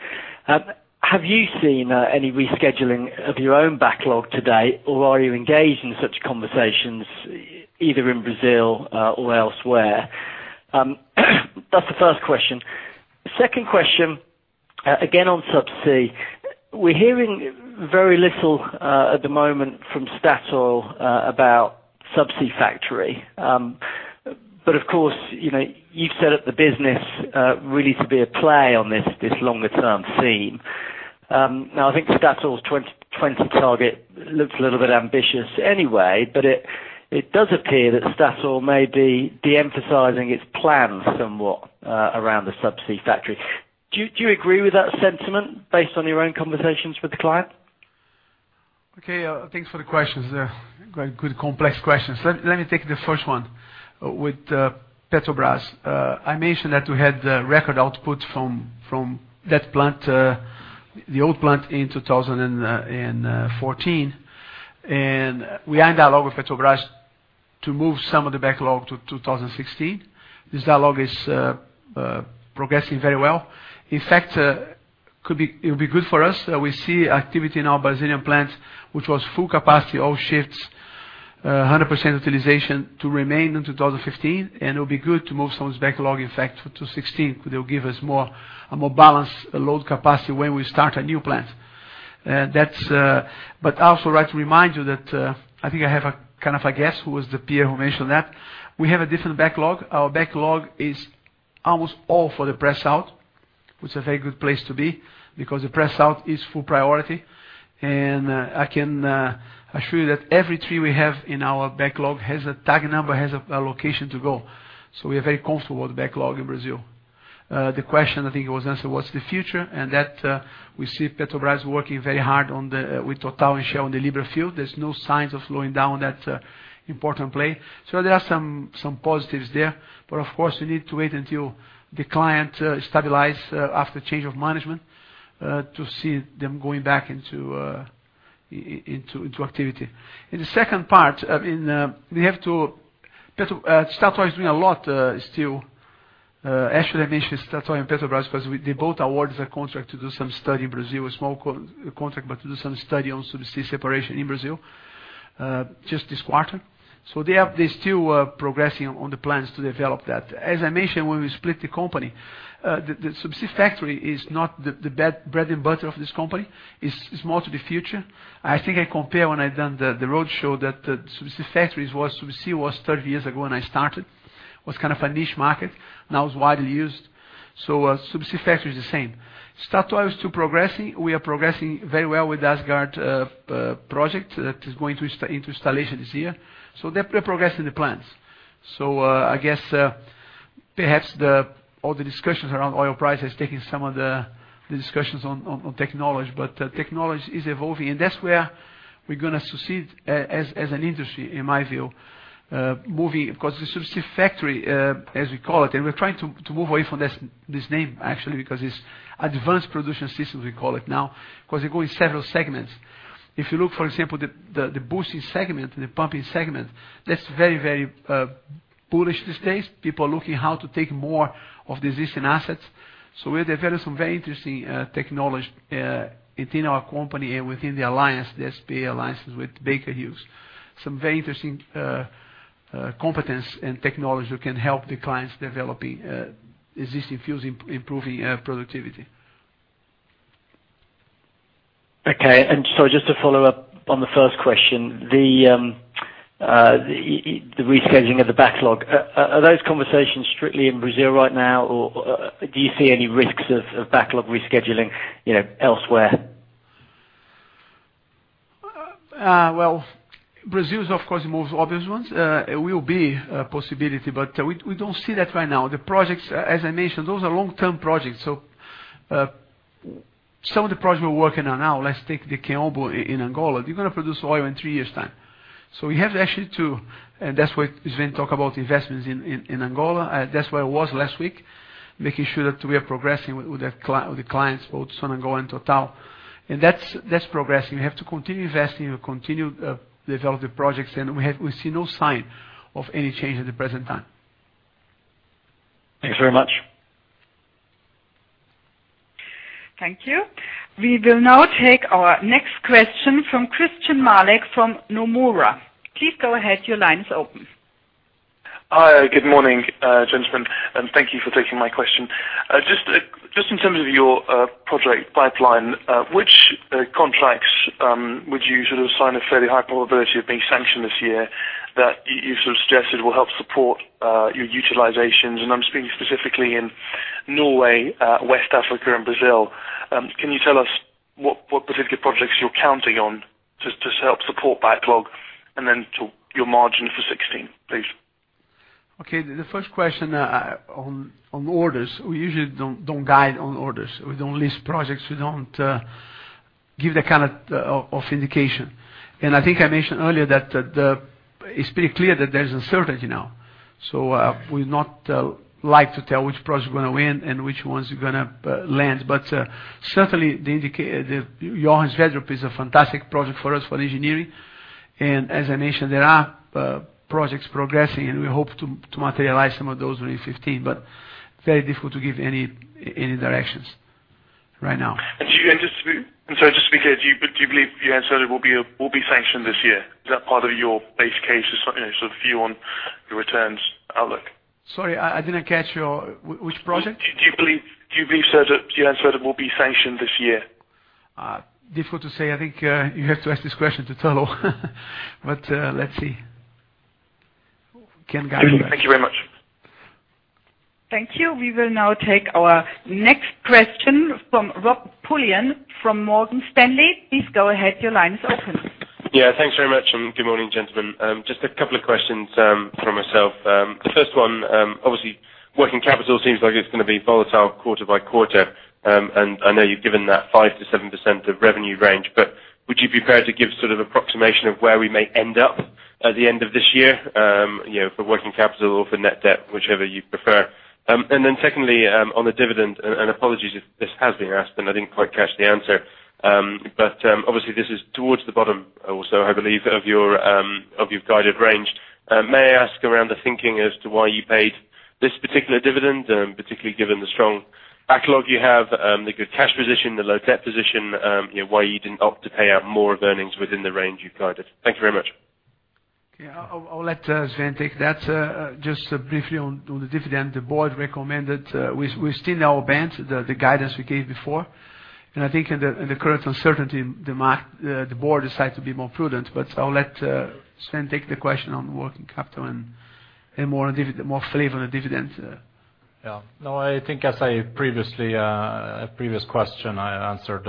Have you seen any rescheduling of your own backlog to date, or are you engaged in such conversations either in Brazil or elsewhere? That's the first question. The second question, again, on Subsea. We're hearing very little at the moment from Statoil about subsea factory. Of course, you know, you set up the business really to be a play on this longer term scene. Now, I think Statoil's 2020 target looks a little bit ambitious anyway, but it does appear that Statoil may be de-emphasizing its plans somewhat, around the subsea factory. Do you agree with that sentiment based on your own conversations with the client? Okay, thanks for the questions. They're very good, complex questions. Let me take the first one. With Petrobras, I mentioned that we had the record output from that plant, the old plant in 2014. We are in dialogue with Petrobras to move some of the backlog to 2016. This dialogue is progressing very well. In fact, it would be good for us. We see activity in our Brazilian plant, which was full capacity, all shifts, 100% utilization to remain in 2015. It would be good to move some of this backlog, in fact, to 2016. They'll give us more, a more balanced load capacity when we start a new plant. That's. I also like to remind you that I think I have a kind of a guess who was the peer who mentioned that. We have a different backlog. Our backlog is almost all for the Pre-salt, which is a very good place to be, because the Pre-salt is full priority. I can assure you that every tree we have in our backlog has a tag number, has a location to go. We are very comfortable with backlog in Brazil. The question I think it was answered, what's the future? We see Petrobras working very hard on the with Total and Shell in the Libra field. There's no signs of slowing down that important play. There are some positives there. Of course, we need to wait until the client stabilize after change of management to see them going back into activity. In the second part, I mean, Statoil is doing a lot still. Actually, I mentioned Statoil and Petrobras because they both awarded a contract to do some study in Brazil, a small contract, but to do some study on subsea separation in Brazil just this quarter. They're still progressing on the plans to develop that. As I mentioned, when we split the company, the subsea factory is not the bread and butter of this company. It's more to the future. I think I compare when I've done the roadshow that the subsea factories was subsea was 30 years ago when I started, was kind of a niche market, now it's widely used. Subsea factory is the same. Statoil is still progressing. We are progressing very well with the Åsgard project that is going into installation this year. They're progressing the plans. I guess perhaps all the discussions around oil prices taking some of the discussions on technology, but technology is evolving, and that's where we're going to succeed as an industry, in my view, moving... Because the subsea factory, as we call it, and we're trying to move away from this name actually, because it's Advanced Production Systems, we call it now, because they go in several segments. If you look, for example, the boosting segment, the pumping segment, that's very, very bullish these days. People are looking how to take more of the existing assets. We're developing some very interesting technology within our company and within the alliance, the SPA alliance with Baker Hughes. Some very interesting competence and technology can help the clients developing existing fields, improving productivity. Okay. Just to follow up on the first question, the rescheduling of the backlog. Are those conversations strictly in Brazil right now, or do you see any risks of backlog rescheduling, you know, elsewhere? Well, Brazil is, of course, the most obvious ones. It will be a possibility, but we don't see that right now. The projects, as I mentioned, those are long-term projects. Some of the projects we're working on now, let's take the Kaombo in Angola. They're going to produce oil in three years' time. We have actually to... That's why Svein talk about investments in Angola. That's where I was last week, making sure that we are progressing with the clients, both Sonangol and Total. That's progressing. We have to continue investing, we continue develop the projects, and we see no sign of any change at the present time. Thanks very much. Thank you. We will now take our next question from Christyan Malek from Nomura. Please go ahead. Your line is open. Hi. Good morning, gentlemen, and thank you for taking my question. Just, just in terms of your project pipeline, which contracts, would you sort of assign a fairly high probability of being sanctioned this year that you sort of suggested will help support your utilizations? I'm speaking specifically in Norway, West Africa and Brazil. Can you tell us what specific projects you're counting on to help support backlog and then to your margin for 2016, please? Okay. The first question on orders, we usually don't guide on orders. We don't list projects. We don't give that kind of indication. I think I mentioned earlier that the it's pretty clear that there's uncertainty now. We not like to tell which project we're going to win and which ones we're going to land. Certainly the Johan Sverdrup is a fantastic project for us for engineering. As I mentioned, there are projects progressing, and we hope to materialize some of those during 2015, but very difficult to give any directions right now. I'm sorry, just to be clear, do you believe Johan Sverdrup will be sanctioned this year? Is that part of your base case or you know, sort of view on your returns outlook? Sorry, I didn't catch your... which project? Do you believe Johan Sverdrup will be sanctioned this year? Difficult to say. I think you have to ask this question to Total. Let's see. We can't guide you there. Thank you very much. Thank you. We will now take our next question from Rob Pulleyn from Morgan Stanley. Please go ahead. Your line is open. Yeah. Thanks very much. Good morning, gentlemen. Just a couple of questions from myself. The first one, obviously, working capital seems like it's going to be volatile quarter by quarter. I know you've given that 5%-7% of revenue range, but would you be prepared to give sort of approximation of where we may end up at the end of this year, you know, for working capital or for net debt, whichever you prefer? Secondly, on the dividend, apologies if this has been asked, and I didn't quite catch the answer. Obviously this is towards the bottom also, I believe, of your guided range. May I ask around the thinking as to why you paid this particular dividend, particularly given the strong backlog you have, the good cash position, the low debt position, you know, why you didn't opt to pay out more of earnings within the range you've guided? Thank you very much. Yeah. I'll let Svein take that. Just briefly on the dividend, the board recommended, we're still in our band, the guidance we gave before. I think in the current uncertainty the board decided to be more prudent. I'll let Svein take the question on working capital and more flavor on the dividend. Yeah. No, I think as I previously, a previous question I answered,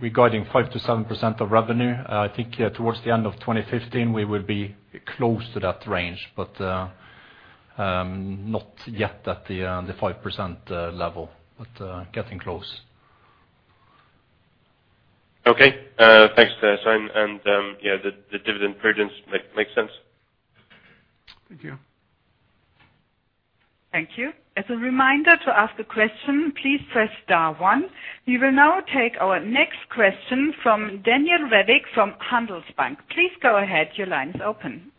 regarding 5%-7% of revenue, I think towards the end of 2015, we will be close to that range, but not yet at the 5% level, but getting close. Okay, thanks, Svein. Yeah, the dividend prudence makes sense. Thank you. Thank you. As a reminder to ask a question, please press star one. We will now take our next question from Daniel Robey from Handelsbanken. Please go ahead. Your line's open.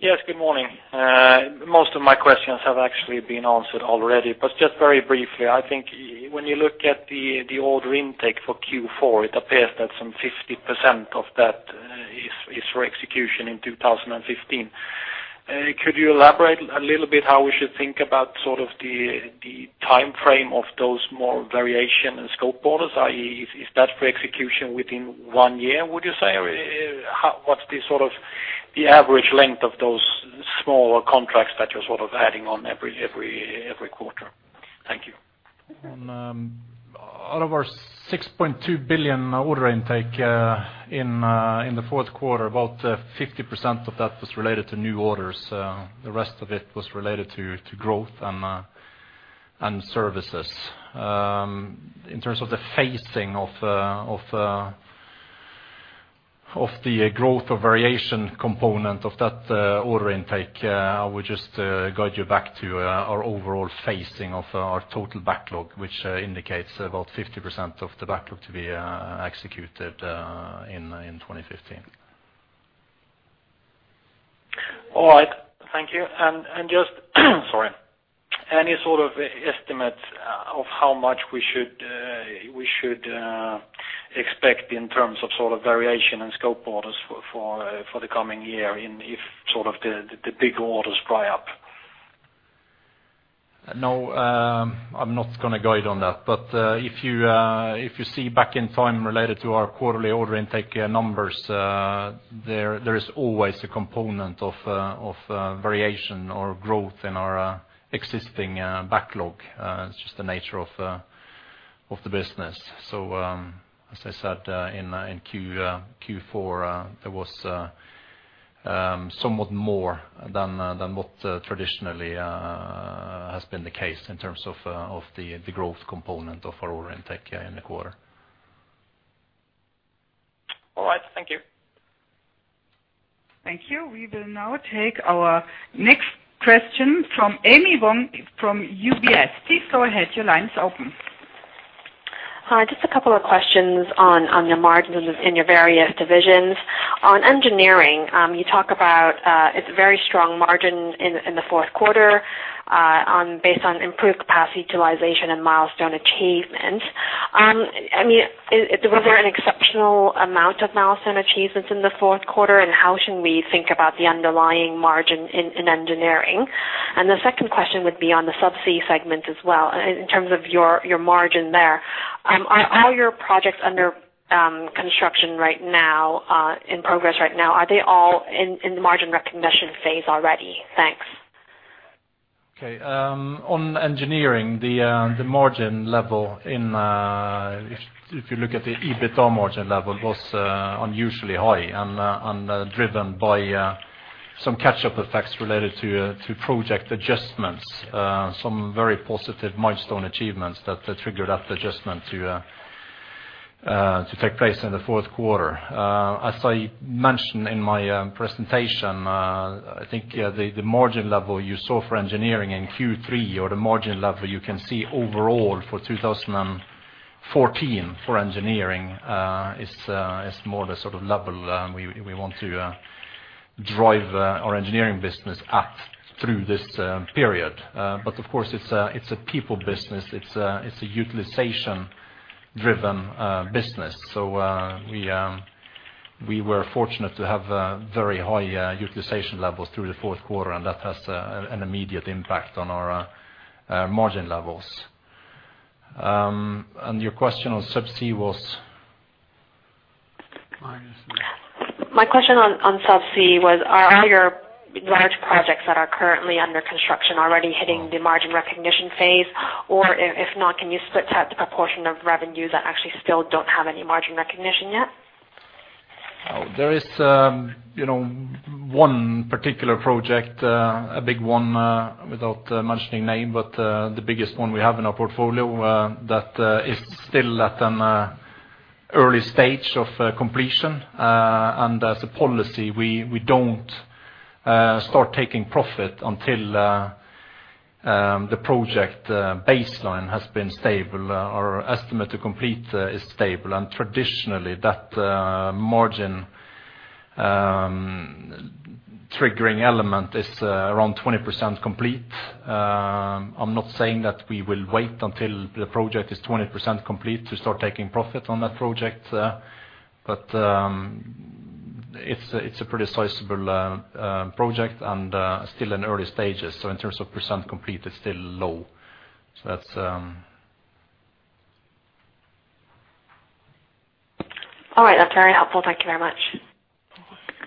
Yes, good morning. Most of my questions have actually been answered already. Just very briefly, I think when you look at the order intake for Q4, it appears that some 50% of that is for execution in 2015. Could you elaborate a little bit how we should think about sort of the timeframe of those more variation in scope orders? Is that for execution within one year, would you say? Or how? What's the sort of the average length of those smaller contracts that you're sort of adding on every quarter? Thank you. Out of our 6.2 billion order intake in the fourth quarter, about 50% of that was related to new orders. The rest of it was related to growth and services. In terms of the phasing of the growth or variation component of that order intake, I would just guide you back to our overall phasing of our total backlog, which indicates about 50% of the backlog to be executed in 2015. All right. Thank you. Just, sorry. Any sort of estimates of how much we should expect in terms of sort of variation and scope orders for the coming year and if sort of the big orders dry up? No, I'm not going to guide on that. If you see back in time related to our quarterly order intake, numbers, there is always a component of variation or growth in our existing backlog. It's just the nature of the business. As I said, in Q4, there was somewhat more than what traditionally has been the case in terms of the growth component of our order intake, yeah, in the quarter. All right. Thank you. Thank you. We will now take our next question from Amy Wong from UBS. Please go ahead. Your line's open. Hi. Just a couple of questions on your margins in your various divisions. On engineering, you talk about, it's a very strong margin in the fourth quarter, on, based on improved capacity utilization and milestone achievement. I mean, were there an exceptional amount of milestone achievements in the fourth quarter, and how should we think about the underlying margin in engineering? The second question would be on the subsea segment as well in terms of your margin there. Are your projects under construction right now, in progress right now, are they all in margin recognition phase already? Thanks. Okay. On engineering, the margin level in if you look at the EBITDA margin level was unusually high and driven by some catch-up effects related to project adjustments. Some very positive milestone achievements that triggered that adjustment to take place in the fourth quarter. As I mentioned in my presentation, I think the margin level you saw for engineering in Q3 or the margin level you can see overall for 2014 for engineering, is more the sort of level we want to drive our engineering business at through this period. Of course it's a, it's a people business. It's a, it's a utilization-driven business. We were fortunate to have very high utilization levels through the fourth quarter, and that has an immediate impact on our margin levels. Your question on subsea was? My question on subsea was, are your large projects that are currently under construction already hitting the margin recognition phase? If not, can you split out the proportion of revenues that actually still don't have any margin recognition yet? There is, you know, one particular project, a big one, without mentioning name, but the biggest one we have in our portfolio, that is still at an early stage of completion. As a policy, we don't start taking profit until the project baseline has been stable. Our estimate to complete is stable. Traditionally, that margin triggering element is around 20% complete. I'm not saying that we will wait until the project is 20% complete to start taking profit on that project, but it's a pretty sizable project and still in early stages. In terms of percent complete, it's still low. That's... All right. That's very helpful. Thank you very much.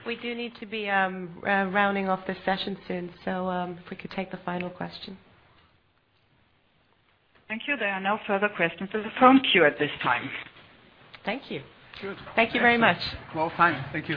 We do need to be rounding off the session soon, so, if we could take the final question. Thank you. There are no further questions in the phone queue at this time. Thank you. Sure. Thank you very much. Well, fine. Thank you.